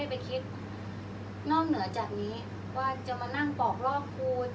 อันไหนที่มันไม่จริงแล้วอาจารย์อยากพูด